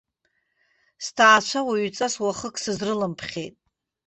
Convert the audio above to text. Сҭаацәа уаҩҵас уахык сызрыламԥхьеит.